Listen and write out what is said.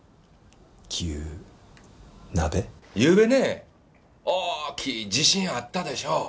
ゆうべね大きい地震あったでしょう？